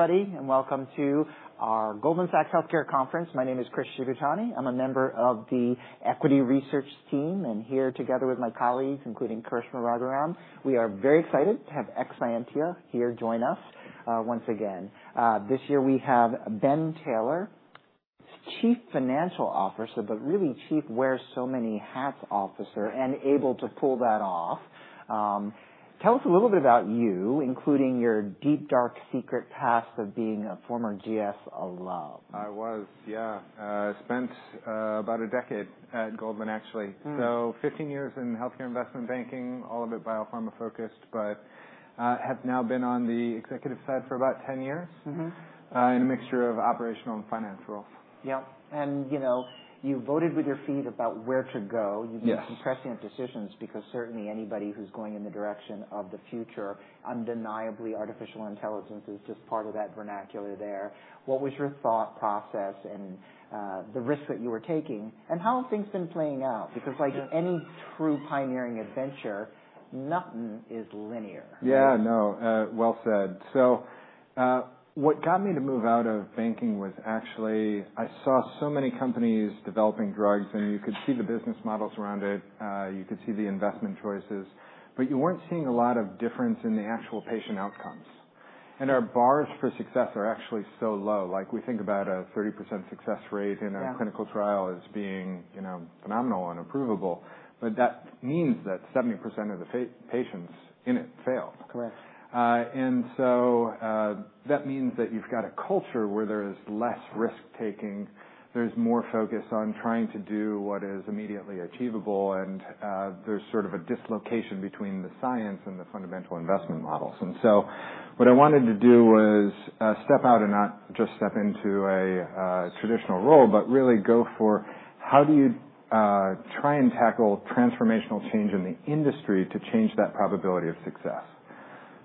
Hello, everybody, and welcome to our Goldman Sachs Healthcare Conference. My name is Chris Shibutani. I'm a member of the equity research team and here, together with my colleagues, including Karishma Raghuram. We are very excited to have Exscientia here join us once again. This year we have Ben Taylor, Chief Financial Officer, but really Chief Wear-So-Many-Hats Officer, and able to pull that off. Tell us a little bit about you, including your deep, dark, secret past of being a former GS alum. I was, yeah. I spent about a decade at Goldman, actually. So, 15 years in healthcare investment banking, all of it biopharma focused, but have now been on the executive side for about 10 years in a mixture of operational and finance roles. Yep. You know, you voted with your feet about where to go. Yes. You made some prescient decisions because certainly anybody who's going in the direction of the future, undeniably artificial intelligence is just part of that vernacular there. What was your thought process and the risks that you were taking, and how have things been playing out? Because, like any true pioneering adventure, nothing is linear. Yeah, no. Well said. So, what got me to move out of banking was actually, I saw so many companies developing drugs, and you could see the business models around it, you could see the investment choices, but you weren't seeing a lot of difference in the actual patient outcomes. Our bars for success are actually so low. Like, we think about a 30% success rate in a clinical trial as being, you know, phenomenal and approvable, but that means that 70% of the patients in it fail. Correct. And so, that means that you've got a culture where there is less risk-taking, there's more focus on trying to do what is immediately achievable, and there's sort of a dislocation between the science and the fundamental investment models. And so, what I wanted to do was step out and not just step into a traditional role, but really go for how do you try and tackle transformational change in the industry to change that probability of success.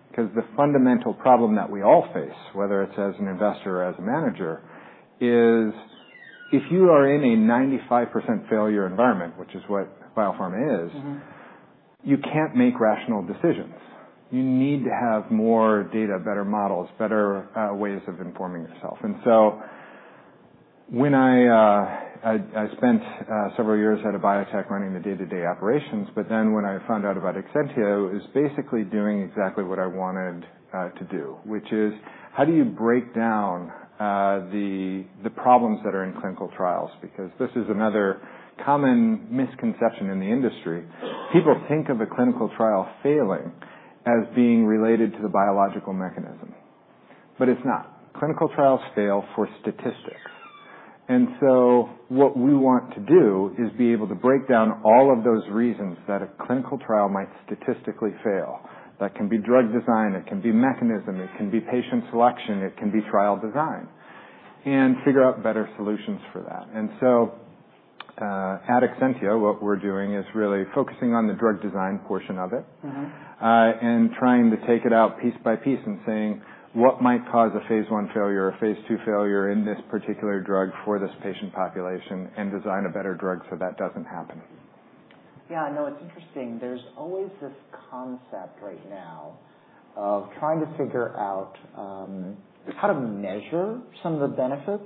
Because the fundamental problem that we all face, whether it's as an investor or as a manager, is if you are in a 95% failure environment, which is what biopharma is, you can't make rational decisions. You need to have more data, better models, better ways of informing yourself. And so, when I spent several years at a biotech running the day-to-day operations, but then when I found out about Exscientia, it was basically doing exactly what I wanted to do, which is how do you break down the problems that are in clinical trials? Because this is another common misconception in the industry. People think of a clinical trial failing as being related to the biological mechanism, but it's not. Clinical trials fail for statistics. And so, what we want to do is be able to break down all of those reasons that a clinical trial might statistically fail. That can be drug design, it can be mechanism, it can be patient selection, it can be trial design, and figure out better solutions for that. At Exscientia, what we're doing is really focusing on the drug design portion of it and trying to take it out piece by piece and saying what might cause a phase I failure or a phase II failure in this particular drug for this patient population and design a better drug so that doesn't happen. Yeah, no, it's interesting. There's always this concept right now of trying to figure out how to measure some of the benefits.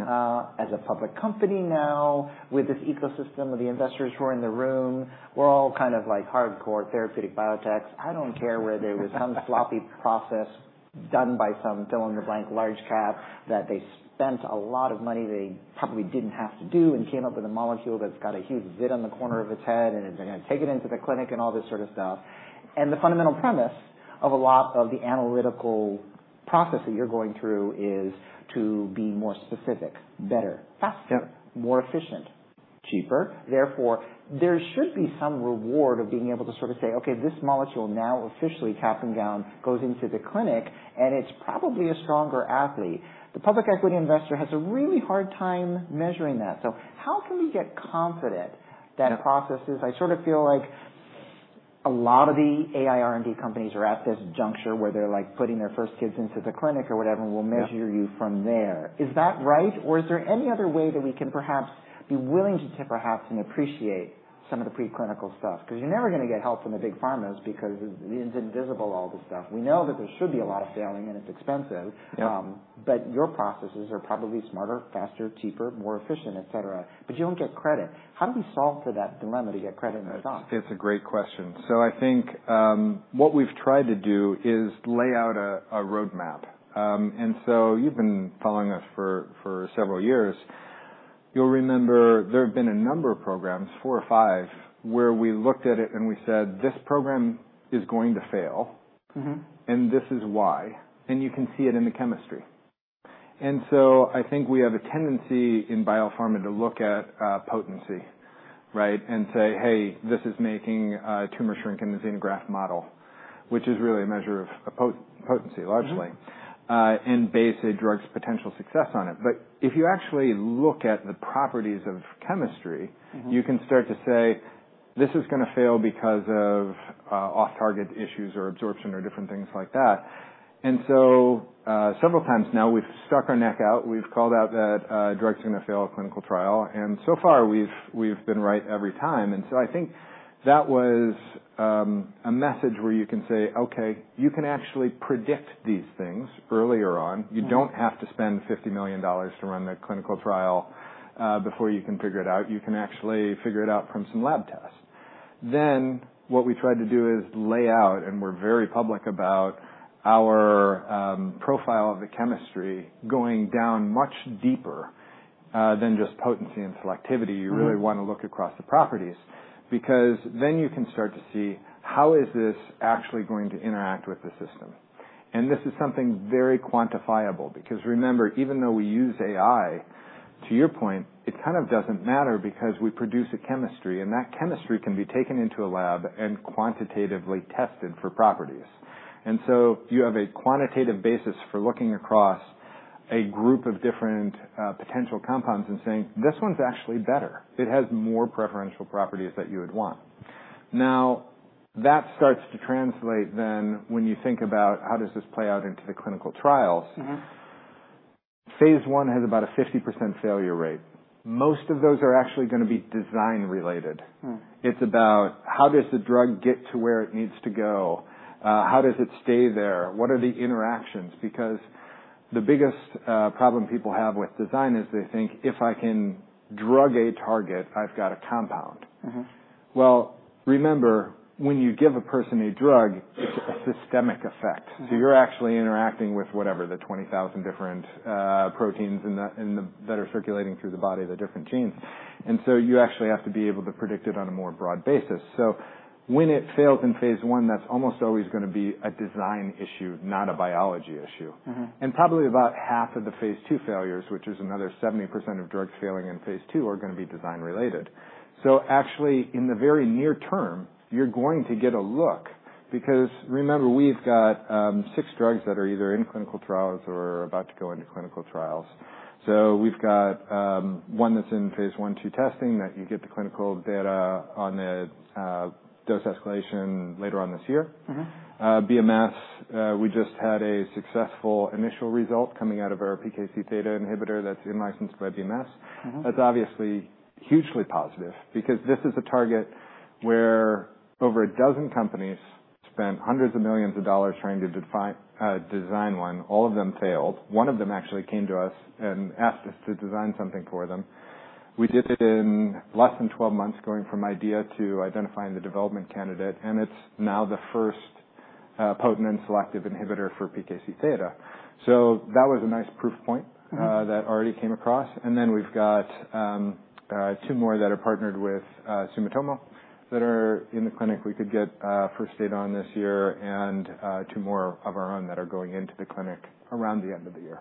As a public company now, with this ecosystem of the investors who are in the room, we're all kind of like hardcore therapeutic biotechs. I don't care whether it was some sloppy process done by some fill-in-the-blank large cap that they spent a lot of money they probably didn't have to do and came up with a molecule that's got a huge zit on the corner of its head and is going to take it into the clinic and all this sort of stuff. And the fundamental premise of a lot of the analytical process that you're going through is to be more specific, better, faster, more efficient, cheaper. Therefore, there should be some reward of being able to sort of say, okay, this molecule now officially tapping down goes into the clinic and it's probably a stronger asset. The public equity investor has a really hard time measuring that. So, how can we get confident that process is? I sort of feel like a lot of the AI R&D companies are at this juncture where they're like putting their first kids into the clinic or whatever and we'll measure you from there. Is that right? Or is there any other way that we can perhaps be willing to perhaps appreciate some of the preclinical stuff? Because you're never going to get help from the big pharmas because it's invisible, all this stuff. We know that there should be a lot of failing and it's expensive, but your processes are probably smarter, faster, cheaper, more efficient, et cetera, but you don't get credit. How do we solve for that dilemma to get credit in the stock? It's a great question. So, I think what we've tried to do is lay out a roadmap. And so, you've been following us for several years. You'll remember there have been a number of programs, four or five, where we looked at it and we said, this program is going to fail and this is why. And you can see it in the chemistry. And so, I think we have a tendency in biopharma to look at potency, right, and say, hey, this is making a tumor shrink in the xenograft model, which is really a measure of potency largely, and base a drug's potential success on it. But if you actually look at the properties of chemistry, you can start to say, this is going to fail because of off-target issues or absorption or different things like that. And so, several times now we've stuck our neck out, we've called out that drugs are going to fail a clinical trial, and so far we've been right every time. And so, I think that was a message where you can say, okay, you can actually predict these things earlier on. You don't have to spend $50 million to run the clinical trial before you can figure it out. You can actually figure it out from some lab tests. Then what we tried to do is lay out, and we're very public about our profile of the chemistry going down much deeper than just potency and selectivity. You really want to look across the properties because then you can start to see how is this actually going to interact with the system. This is something very quantifiable because remember, even though we use AI, to your point, it kind of doesn't matter because we produce a chemistry and that chemistry can be taken into a lab and quantitatively tested for properties. So, you have a quantitative basis for looking across a group of different potential compounds and saying, this one's actually better. It has more preferential properties that you would want. Now, that starts to translate then when you think about how does this play out into the clinical trials. Phase I has about a 50% failure rate. Most of those are actually going to be design-related. It's about how does the drug get to where it needs to go? How does it stay there? What are the interactions? Because the biggest problem people have with design is they think if I can drug a target, I've got a compound. Well, remember, when you give a person a drug, it's a systemic effect. So, you're actually interacting with whatever, the 20,000 different proteins that are circulating through the body, the different genes. And so, you actually have to be able to predict it on a more broad basis. So, when it fails in phase I, that's almost always going to be a design issue, not a biology issue. And probably about half of the phase II failures, which is another 70% of drugs failing in phase II, are going to be design-related. So, actually, in the very near term, you're going to get a look because remember, we've got six drugs that are either in clinical trials or about to go into clinical trials. So, we've got one that's in phase I, II testing that you get the clinical data on the dose escalation later on this year. BMS, we just had a successful initial result coming out of our PKC-theta inhibitor that's in-licensed by BMS. That's obviously hugely positive because this is a target where over a dozen companies spent hundreds of millions of dollars trying to design one. All of them failed. One of them actually came to us and asked us to design something for them. We did it in less than 12 months going from idea to identifying the development candidate, and it's now the first potent and selective inhibitor for PKC-theta. So, that was a nice proof point that already came across. And then we've got two more that are partnered with Sumitomo that are in the clinic. We could get first data on this year and two more of our own that are going into the clinic around the end of the year.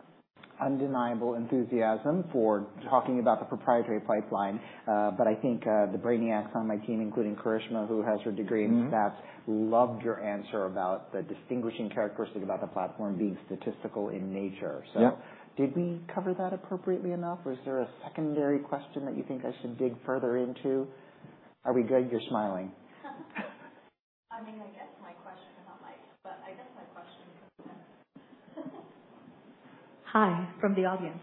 Undeniable enthusiasm for talking about the proprietary pipeline, but I think the brainiacs on my team, including Karishma, who has her degree in stats, loved your answer about the distinguishing characteristic about the platform being statistical in nature. So, did we cover that appropriately enough? Was there a secondary question that you think I should dig further into? Are we good? You're smiling. Hi, from the audience.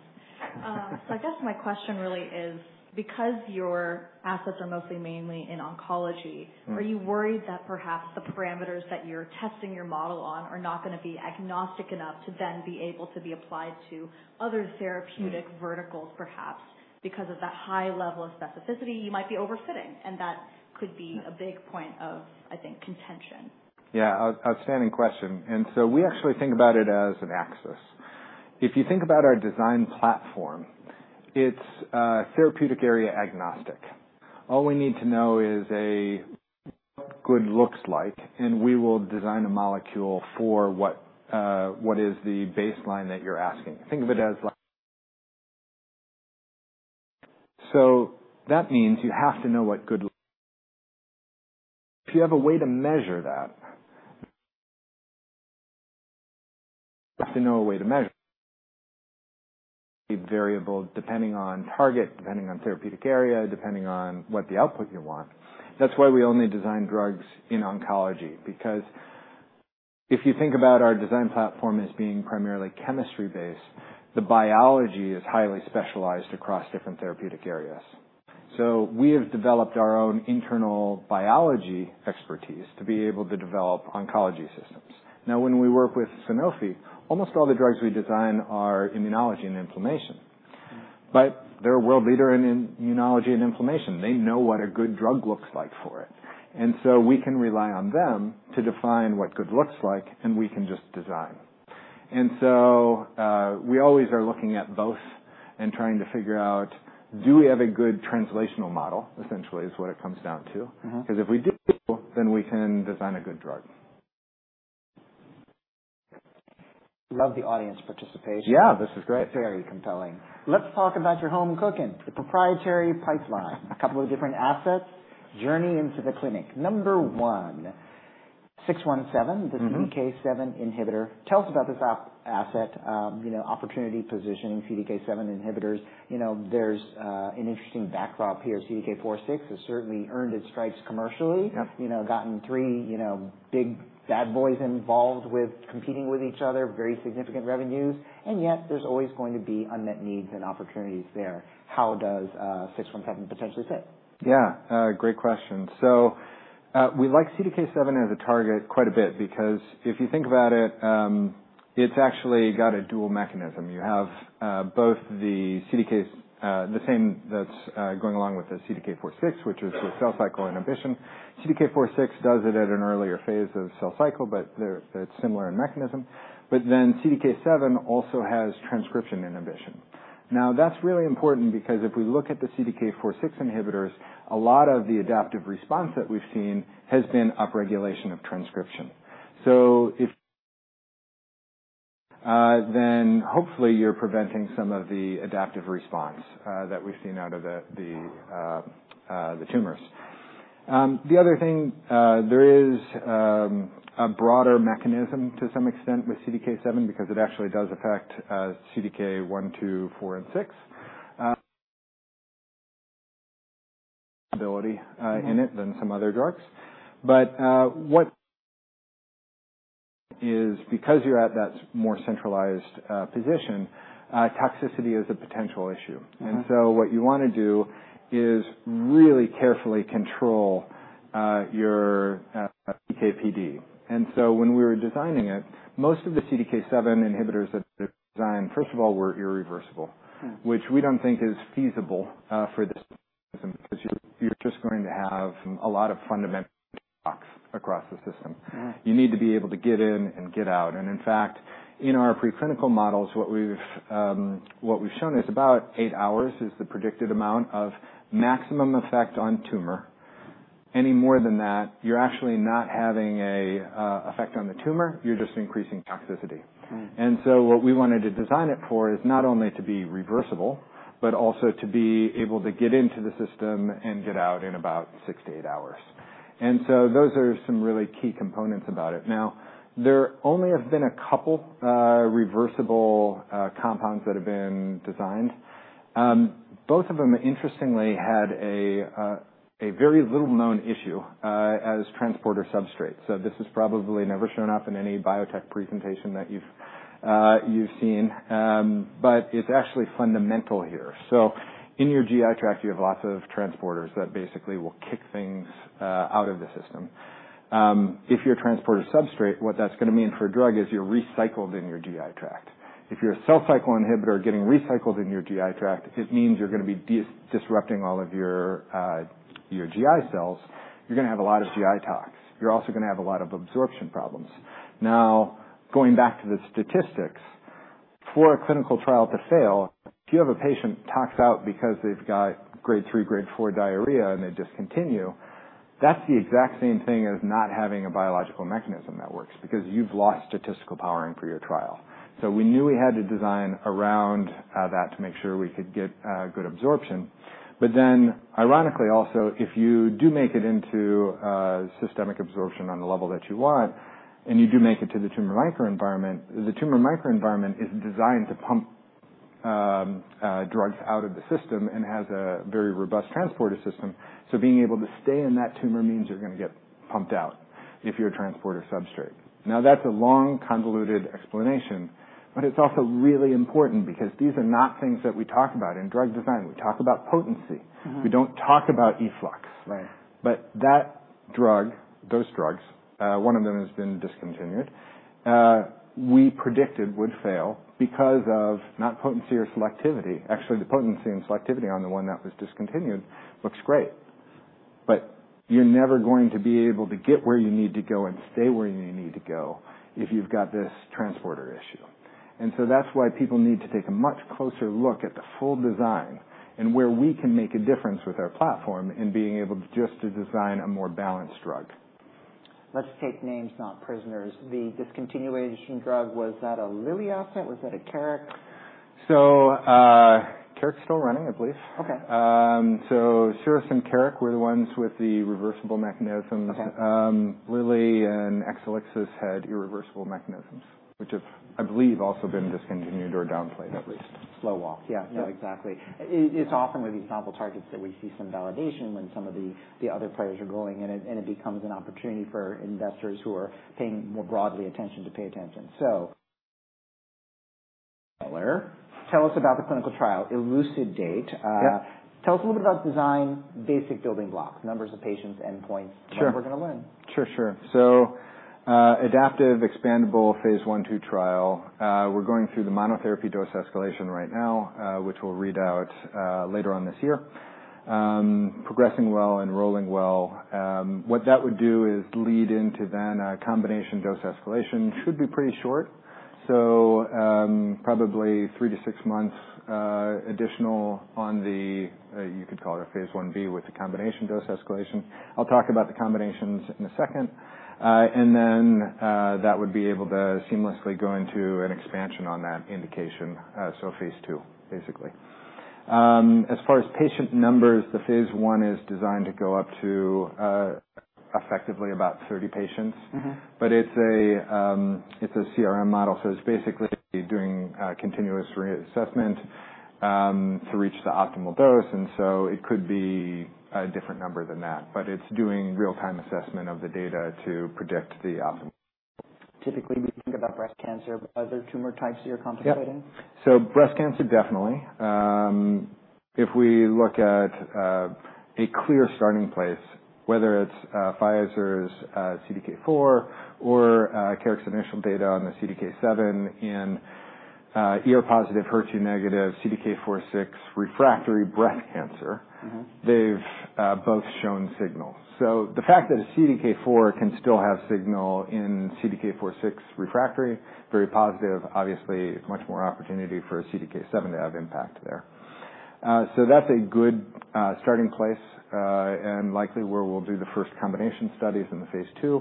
So, I guess my question really is, because your assets are mostly mainly in oncology, are you worried that perhaps the parameters that you're testing your model on are not going to be agnostic enough to then be able to be applied to other therapeutic verticals perhaps because of that high level of specificity? You might be overfitting, and that could be a big point of, I think, contention. Yeah, outstanding question. So, we actually think about it as an axis. If you think about our design platform, it's therapeutic area agnostic. All we need to know is a good looks like, and we will design a molecule for what is the baseline that you're asking. Think of it as like. So, that means you have to know what good. If you have a way to measure that, you have to know a way to measure a variable depending on target, depending on therapeutic area, depending on what the output you want. That's why we only design drugs in oncology, because if you think about our design platform as being primarily chemistry-based, the biology is highly specialized across different therapeutic areas. So, we have developed our own internal biology expertise to be able to develop oncology systems. Now, when we work with Sanofi, almost all the drugs we design are immunology and inflammation, but they're a world leader in immunology and inflammation. They know what a good drug looks like for it. And so, we can rely on them to define what good looks like, and we can just design. And so, we always are looking at both and trying to figure out, do we have a good translational model, essentially is what it comes down to? Because if we do, then we can design a good drug. Love the audience participation. Yeah, this is great. Very compelling. Let's talk about your home cooking, the proprietary pipeline, a couple of different assets, journey into the clinic. Number one, 617, the CDK7 inhibitor. Tell us about this asset, you know, opportunity positioning, CDK7 inhibitors. You know, there's an interesting backdrop here. CDK4/6 has certainly earned its stripes commercially, you know, gotten three big bad boys involved with competing with each other, very significant revenues, and yet there's always going to be unmet needs and opportunities there. How does 617 potentially fit? Yeah, great question. So, we like CDK7 as a target quite a bit because if you think about it, it's actually got a dual mechanism. You have both the CDK, the same that's going along with the CDK4/6, which is with cell cycle inhibition. CDK4/6 does it at an earlier phase of cell cycle, but it's similar in mechanism. But then CDK7 also has transcription inhibition. Now, that's really important because if we look at the CDK4/6 inhibitors, a lot of the adaptive response that we've seen has been upregulation of transcription. So, then hopefully you're preventing some of the adaptive response that we've seen out of the tumors. The other thing, there is a broader mechanism to some extent with CDK7 because it actually does affect CDK1, 2, 4, and 6 ability in it than some other drugs. But what is, because you're at that more centralized position, toxicity is a potential issue. And so, what you want to do is really carefully control your CDK. And so, when we were designing it, most of the CDK7 inhibitors that are designed, first of all, were irreversible, which we don't think is feasible for this because you're just going to have a lot of fundamental shocks across the system. You need to be able to get in and get out. And in fact, in our preclinical models, what we've shown is about eight hours is the predicted amount of maximum effect on tumor. Any more than that, you're actually not having an effect on the tumor, you're just increasing toxicity. And so, what we wanted to design it for is not only to be reversible, but also to be able to get into the system and get out in about six to eight hours. And so, those are some really key components about it. Now, there only have been a couple reversible compounds that have been designed. Both of them, interestingly, had a very little known issue as transporter substrate. So, this has probably never shown up in any biotech presentation that you've seen, but it's actually fundamental here. So, in your GI tract, you have lots of transporters that basically will kick things out of the system. If you're a transporter substrate, what that's going to mean for a drug is you're recycled in your GI tract. If you're a cell cycle inhibitor getting recycled in your GI tract, it means you're going to be disrupting all of your GI cells. You're going to have a lot of GI tox. You're also going to have a lot of absorption problems. Now, going back to the statistics, for a clinical trial to fail, if you have a patient tox out because they've got grade three, grade four diarrhea and they discontinue, that's the exact same thing as not having a biological mechanism that works because you've lost statistical power for your trial. So, we knew we had to design around that to make sure we could get good absorption. But then, ironically also, if you do make it into systemic absorption on the level that you want and you do make it to the tumor microenvironment, the tumor microenvironment is designed to pump drugs out of the system and has a very robust transporter system. So, being able to stay in that tumor means you're going to get pumped out if you're a transporter substrate. Now, that's a long convoluted explanation, but it's also really important because these are not things that we talk about in drug design. We talk about potency. We don't talk about efflux. But that drug, those drugs, one of them has been discontinued, we predicted would fail because of not potency or selectivity. Actually, the potency and selectivity on the one that was discontinued looks great, but you're never going to be able to get where you need to go and stay where you need to go if you've got this transporter issue. And so, that's why people need to take a much closer look at the full design and where we can make a difference with our platform in being able to just design a more balanced drug. Let's take names, not prisoners. The discontinuation drug, was that a Lilly asset? Was that a Carrick? Carrick's still running, I believe. Okay. So, Syros and Carrick were the ones with the reversible mechanisms. Lilly and Exelixis had irreversible mechanisms, which have, I believe, also been discontinued or downplayed at least. Slow walk. Yeah, no, exactly. It's often with these novel targets that we see some validation when some of the other players are going in, and it becomes an opportunity for investors who are paying more broadly attention to pay attention. So, tell us about the clinical trial, ELUCIDATE. Tell us a little bit about design, basic building blocks, numbers of patients, endpoints. Sure. That we're going to learn. Sure, sure. So, adaptive, expandable phase I, II trial. We're going through the monotherapy dose escalation right now, which we'll read out later on this year. Progressing well, enrolling well. What that would do is lead into then a combination dose escalation. Should be pretty short. So, probably three to six months additional on the, you could call it a phase I-B with the combination dose escalation. I'll talk about the combinations in a second. And then that would be able to seamlessly go into an expansion on that indication. So, phase II, basically. As far as patient numbers, the phase I is designed to go up to effectively about 30 patients, but it's a CRM model. So, it's basically doing continuous reassessment to reach the optimal dose. And so, it could be a different number than that, but it's doing real-time assessment of the data to predict the optimal. Typically, we think about breast cancer, but are there tumor types that you're contemplating? Yeah. So, breast cancer, definitely. If we look at a clear starting place, whether it's Pfizer's CDK4 or Carrick's initial data on the CDK7 in positive, HER2- CDK4/6 refractory breast cancer, they've both shown signals. So, the fact that a CDK4 can still have signal in CDK4/6 refractory, very positive, obviously much more opportunity for a CDK7 to have impact there. So, that's a good starting place and likely where we'll do the first combination studies in the phase II.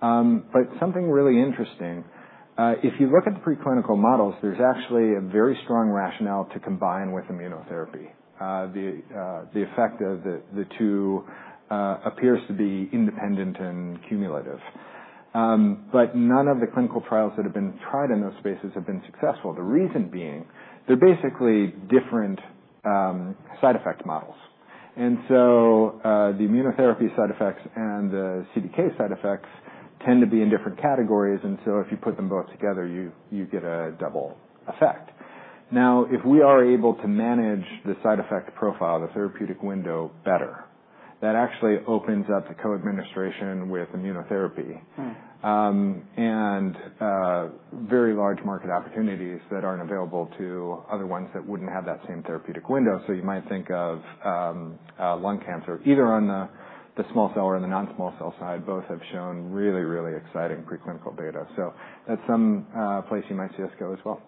But something really interesting, if you look at the preclinical models, there's actually a very strong rationale to combine with immunotherapy. The effect of the two appears to be independent and cumulative. But none of the clinical trials that have been tried in those spaces have been successful. The reason being, they're basically different side effect models. The immunotherapy side effects and the CDK side effects tend to be in different categories. If you put them both together, you get a double effect. Now, if we are able to manage the side effect profile, the therapeutic window better, that actually opens up the co-administration with immunotherapy and very large market opportunities that aren't available to other ones that wouldn't have that same therapeutic window. You might think of lung cancer, either on the small cell or the non-small cell side. Both have shown really, really exciting preclinical data. That's some place you might see us go as well.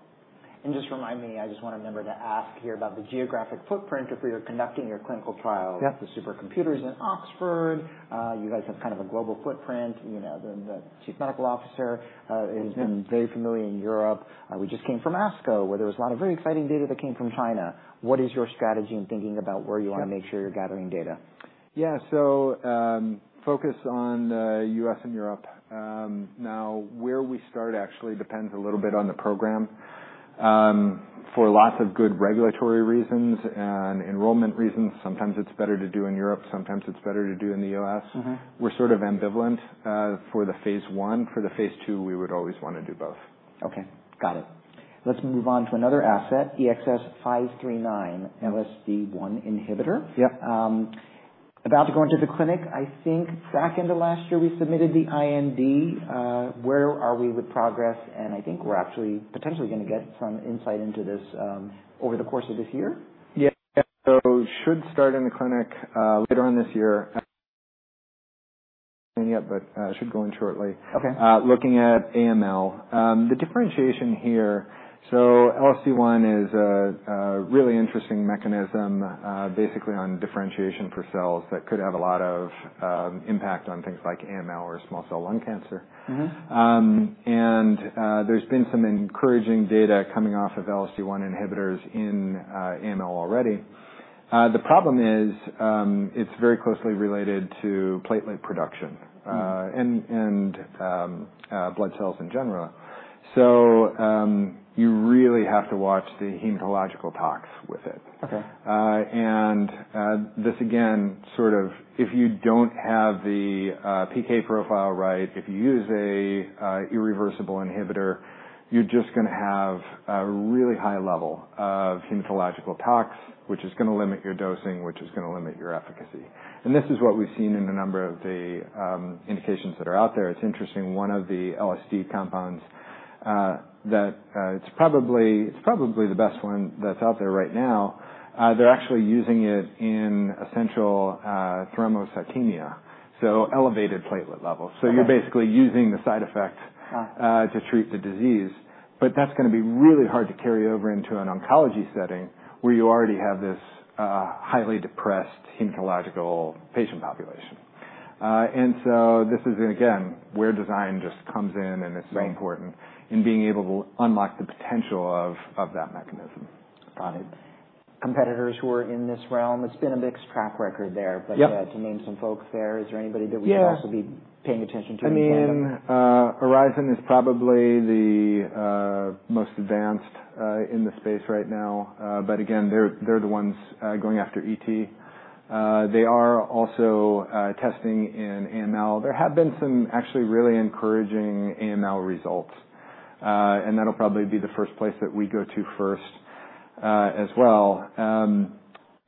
Just remind me, I just want to remember to ask here about the geographic footprint. If we are conducting your clinical trials, the supercomputers in Oxford, you guys have kind of a global footprint. You know, the chief medical officer has been very familiar in Europe. We just came from ASCO, where there was a lot of very exciting data that came from China. What is your strategy in thinking about where you want to make sure you're gathering data? Yeah, so focus on the U.S. and Europe. Now, where we start actually depends a little bit on the program. For lots of good regulatory reasons and enrollment reasons, sometimes it's better to do in Europe, sometimes it's better to do in the U.S. We're sort of ambivalent for the phase I. For the phase II, we would always want to do both. Okay, got it. Let's move on to another asset, EXS539, LSD1 inhibitor. Yep. About to go into the clinic. I think back into last year we submitted the IND. Where are we with progress? I think we're actually potentially going to get some insight into this over the course of this year. Yeah, so should start in the clinic later on this year. Yep, but should go in shortly. Okay. Looking at AML, the differentiation here, so LSD1 is a really interesting mechanism, basically on differentiation for cells that could have a lot of impact on things like AML or small cell lung cancer. And there's been some encouraging data coming off of LSD1 inhibitors in AML already. The problem is it's very closely related to platelet production and blood cells in general. So, you really have to watch the hematological tox with it. Okay. And this again, sort of if you don't have the PK profile right, if you use an irreversible inhibitor, you're just going to have a really high level of hematological tox, which is going to limit your dosing, which is going to limit your efficacy. And this is what we've seen in a number of the indications that are out there. It's interesting, one of the LSD compounds that it's probably the best one that's out there right now, they're actually using it in essential thrombocythemia, so elevated platelet levels. So, you're basically using the side effect to treat the disease, but that's going to be really hard to carry over into an oncology setting where you already have this highly depressed hematological patient population. And so, this is again where design just comes in and is so important in being able to unlock the potential of that mechanism. Got it. Competitors who are in this realm? It's been a mixed track record there, but to name some folks there, is there anybody that we should also be paying attention to? I mean, Horizon is probably the most advanced in the space right now, but again, they're the ones going after ET. They are also testing in AML. There have been some actually really encouraging AML results, and that'll probably be the first place that we go to first as well.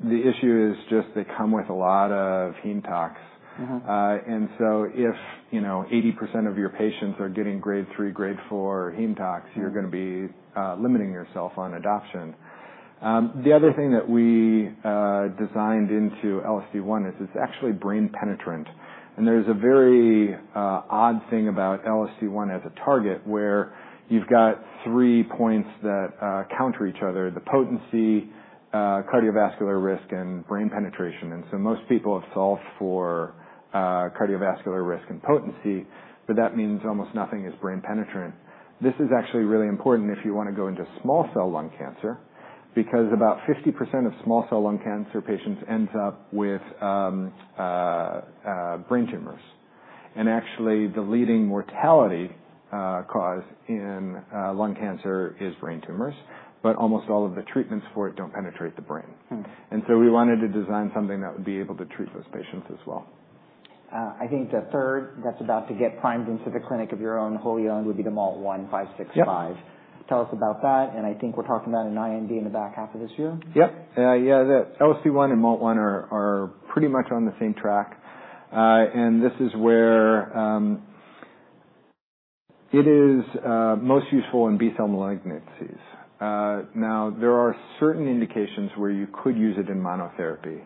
The issue is just they come with a lot of heme tox. And so, if you know 80% of your patients are getting grade three, grade four heme tox, you're going to be limiting yourself on adoption. The other thing that we designed into LSD1 is it's actually brain penetrant. And there's a very odd thing about LSD1 as a target where you've got three points that counter each other: the potency, cardiovascular risk, and brain penetration. And so, most people have solved for cardiovascular risk and potency, but that means almost nothing is brain penetrant. This is actually really important if you want to go into small cell lung cancer because about 50% of small cell lung cancer patients end up with brain tumors. And actually, the leading mortality cause in lung cancer is brain tumors, but almost all of the treatments for it don't penetrate the brain. And so, we wanted to design something that would be able to treat those patients as well. I think the third that's about to get primed into the clinic of your own, wholly owned, would be the MALT1 565. Tell us about that. I think we're talking about an IND in the back half of this year. Yep. Yeah, LSD1 and MALT1 are pretty much on the same track. And this is where it is most useful in B-cell malignancies. Now, there are certain indications where you could use it in monotherapy,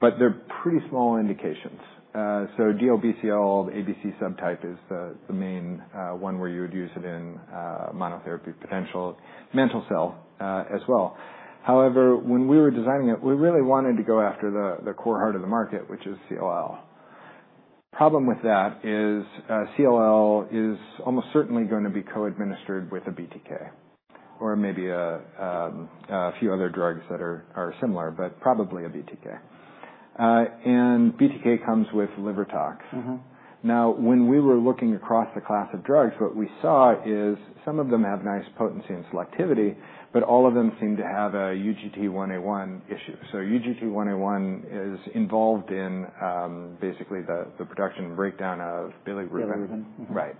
but they're pretty small indications. So, DLBCL, ABC subtype is the main one where you would use it in monotherapy, potential mantle cell as well. However, when we were designing it, we really wanted to go after the core heart of the market, which is CLL. Problem with that is CLL is almost certainly going to be co-administered with a BTK or maybe a few other drugs that are similar, but probably a BTK. And BTK comes with liver tox. Now, when we were looking across the class of drugs, what we saw is some of them have nice potency and selectivity, but all of them seem to have a UGT1A1 issue. UGT1A1 is involved in basically the production breakdown of bilirubin. Bilirubin. Right.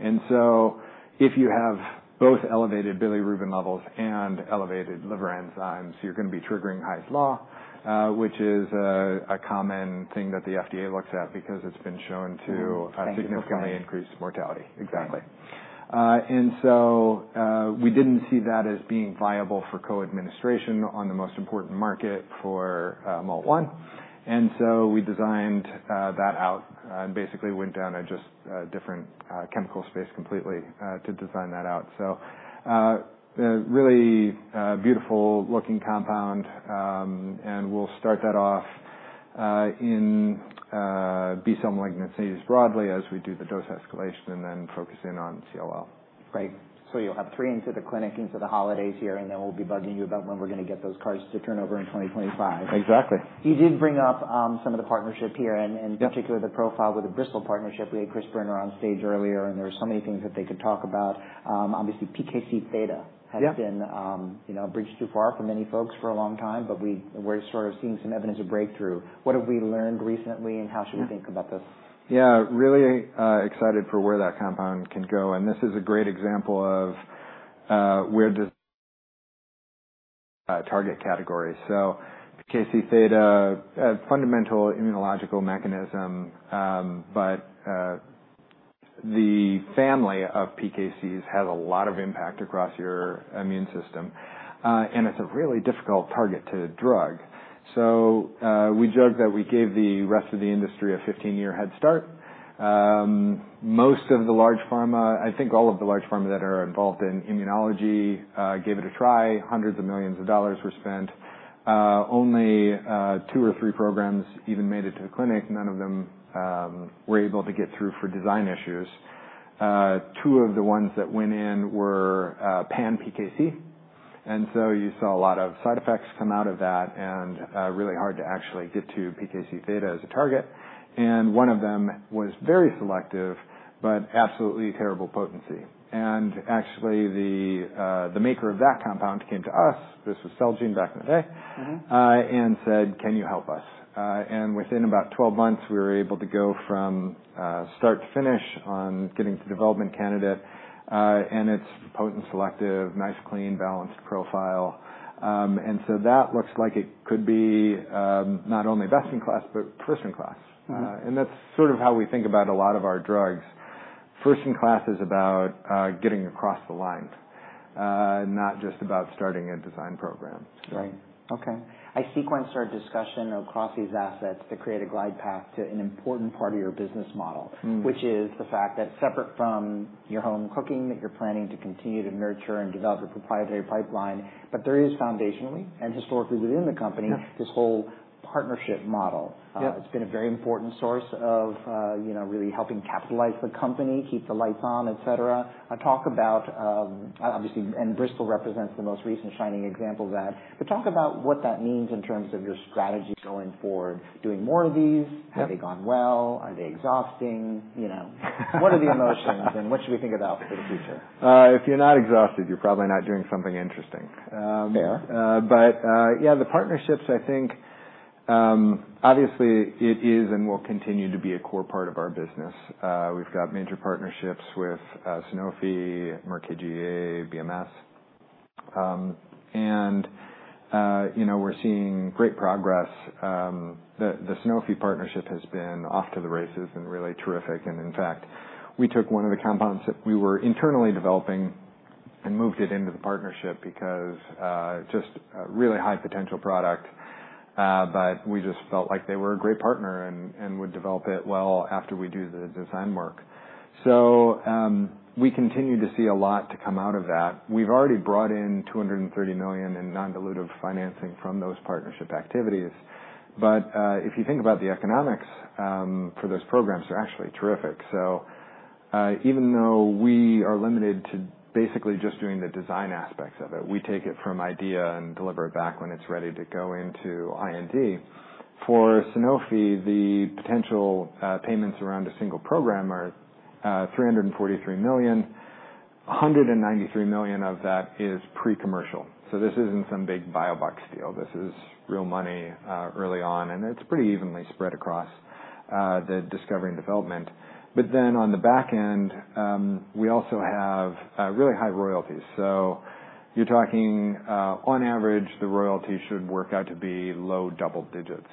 And so, if you have both elevated bilirubin levels and elevated liver enzymes, you're going to be triggering Hy's Law, which is a common thing that the FDA looks at because it's been shown to significantly increase mortality. Exactly. And so, we didn't see that as being viable for co-administration on the most important market for MALT1. And so, we designed that out and basically went down a just different chemical space completely to design that out. So, really beautiful looking compound. And we'll start that off in B-cell malignancies broadly as we do the dose escalation and then focus in on CLL. Great. So, you'll have three into the clinic into the holidays here, and then we'll be bugging you about when we're going to get those cards to turn over in 2025. Exactly. You did bring up some of the partnership here and particularly the profile with the Bristol partnership. We had Chris Brenner on stage earlier, and there were so many things that they could talk about. Obviously, PKC-theta has been a bridge too far for many folks for a long time, but we're sort of seeing some evidence of breakthrough. What have we learned recently, and how should we think about this? Yeah, really excited for where that compound can go. And this is a great example of where this target category. So, PKC-theta, fundamental immunological mechanism, but the family of PKCs has a lot of impact across your immune system. And it's a really difficult target to drug. So, we joke that we gave the rest of the industry a 15-year head start. Most of the large pharma, I think all of the large pharma that are involved in immunology gave it a try. Hundreds of millions of dollars were spent. Only two or three programs even made it to the clinic. None of them were able to get through for design issues. Two of the ones that went in were pan-PKC. And so, you saw a lot of side effects come out of that and really hard to actually get to PKC-theta as a target. And one of them was very selective, but absolutely terrible potency. And actually, the maker of that compound came to us, this was Celgene back in the day, and said, "Can you help us?" And within about 12 months, we were able to go from start to finish on getting to development candidate. And it's potent, selective, nice, clean, balanced profile. And so, that looks like it could be not only best in class, but first in class. And that's sort of how we think about a lot of our drugs. First in class is about getting across the line, not just about starting a design program. Right. Okay. I sequenced our discussion across these assets to create a glide path to an important part of your business model, which is the fact that separate from your home cooking that you're planning to continue to nurture and develop your proprietary pipeline, but there is foundationally and historically within the company this whole partnership model. It's been a very important source of really helping capitalize the company, keep the lights on, et cetera. Talk about, obviously, and Bristol represents the most recent shining example of that, but talk about what that means in terms of your strategy going forward, doing more of these, have they gone well, are they exhausting, you know, what are the emotions and what should we think about for the future? If you're not exhausted, you're probably not doing something interesting. Fair. But yeah, the partnerships, I think obviously it is and will continue to be a core part of our business. We've got major partnerships with Sanofi, Merck KGaA, BMS. And you know, we're seeing great progress. The Sanofi partnership has been off to the races and really terrific. And in fact, we took one of the compounds that we were internally developing and moved it into the partnership because just a really high potential product, but we just felt like they were a great partner and would develop it well after we do the design work. So, we continue to see a lot to come out of that. We've already brought in $230 million in non-dilutive financing from those partnership activities. But if you think about the economics for those programs, they're actually terrific. So, even though we are limited to basically just doing the design aspects of it, we take it from idea and deliver it back when it's ready to go into IND. For Sanofi, the potential payments around a single program are $343 million. $193 million of that is pre-commercial. So, this isn't some big BioBox deal. This is real money early on, and it's pretty evenly spread across the discovery and development. But then on the back end, we also have really high royalties. So, you're talking on average, the royalty should work out to be low double digits.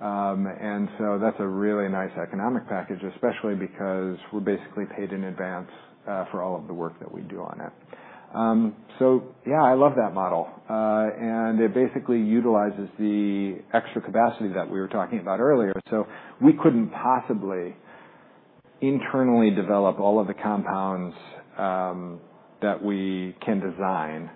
And so, that's a really nice economic package, especially because we're basically paid in advance for all of the work that we do on it. So, yeah, I love that model. And it basically utilizes the extra capacity that we were talking about earlier. So, we couldn't possibly internally develop all of the compounds that we can design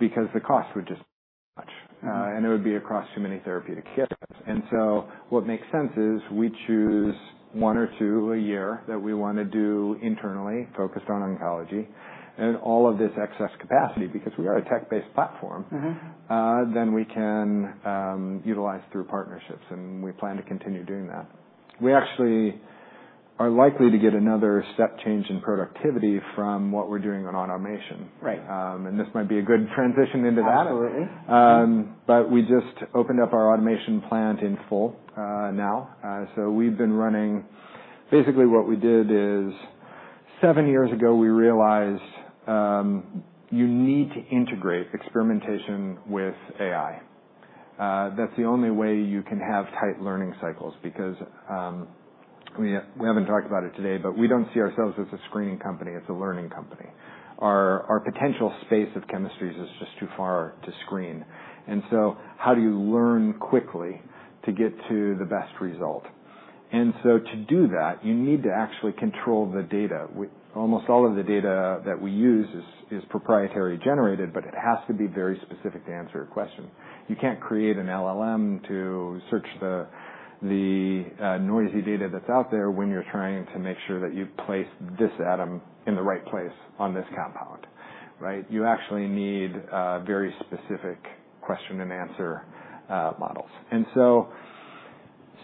because the cost would just be too much. It would be across too many therapeutic areas. So, what makes sense is we choose one or two a year that we want to do internally focused on oncology. All of this excess capacity, because we are a tech-based platform, then we can utilize through partnerships, and we plan to continue doing that. We actually are likely to get another step change in productivity from what we're doing on automation. Right. This might be a good transition into that. Absolutely. But we just opened up our automation plant in full now. So, we've been running basically what we did is seven years ago, we realized you need to integrate experimentation with AI. That's the only way you can have tight learning cycles because we haven't talked about it today, but we don't see ourselves as a screening company. It's a learning company. Our potential space of chemistries is just too far to screen. And so, how do you learn quickly to get to the best result? And so, to do that, you need to actually control the data. Almost all of the data that we use is proprietary generated, but it has to be very specific to answer your question. You can't create an LLM to search the noisy data that's out there when you're trying to make sure that you place this atom in the right place on this compound, right? You actually need very specific question and answer models. And so,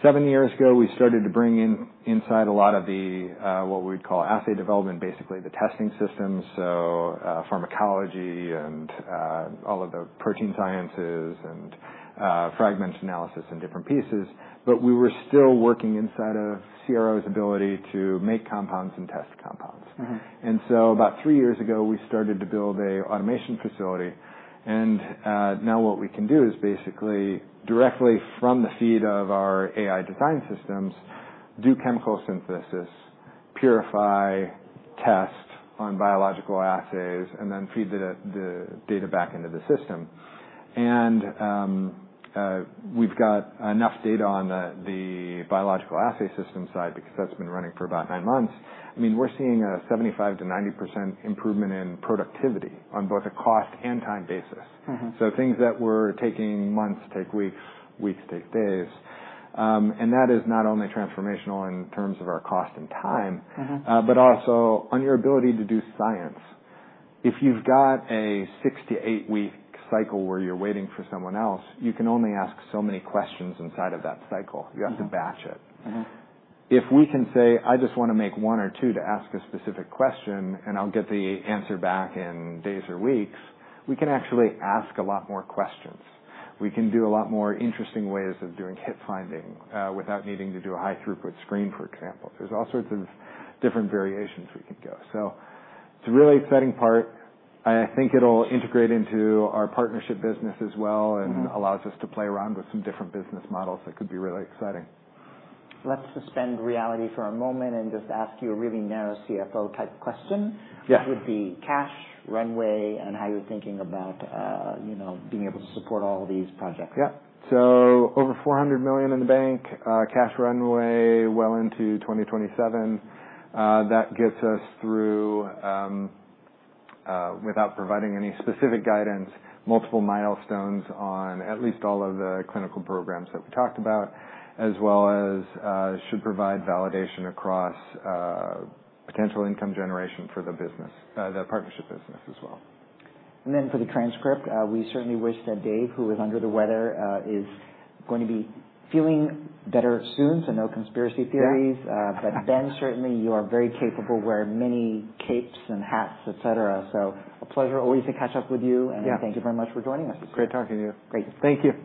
seven years ago, we started to bring in inside a lot of the what we would call assay development, basically the testing systems. So, pharmacology and all of the protein sciences and fragment analysis and different pieces, but we were still working inside of CRO's ability to make compounds and test compounds. And so, about three years ago, we started to build an automation facility. And now what we can do is basically directly from the feed of our AI design systems, do chemical synthesis, purify, test on biological assays, and then feed the data back into the system. We've got enough data on the biological assay system side because that's been running for about nine months. I mean, we're seeing a 75%-90% improvement in productivity on both a cost and time basis. Things that were taking months take weeks, weeks take days. That is not only transformational in terms of our cost and time, but also on your ability to do science. If you've got a six- to eight-week cycle where you're waiting for someone else, you can only ask so many questions inside of that cycle. You have to batch it. If we can say, "I just want to make one or two to ask a specific question, and I'll get the answer back in days or weeks," we can actually ask a lot more questions. We can do a lot more interesting ways of doing hit finding without needing to do a high-throughput screen, for example. There's all sorts of different variations we can go. So, it's a really exciting part. I think it'll integrate into our partnership business as well and allows us to play around with some different business models that could be really exciting. Let's suspend reality for a moment and just ask you a really narrow CFO-type question. Yeah. What would be cash runway and how you're thinking about being able to support all these projects? Yep. So, over $400 million in the bank, cash runway well into 2027. That gets us through, without providing any specific guidance, multiple milestones on at least all of the clinical programs that we talked about, as well as should provide validation across potential income generation for the business, the partnership business as well. And then for the transcript, we certainly wish that Dave, who is under the weather, is going to be feeling better soon. So, no conspiracy theories. But Ben, certainly you are very capable, wear many capes and hats, et cetera. So, a pleasure always to catch up with you. Yeah. Thank you very much for joining us this week. Great talking to you. Great. Thank you.